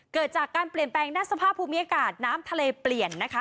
เกิดจากการเปลี่ยนแปลงด้านสภาพภูมิอากาศน้ำทะเลเปลี่ยนนะคะ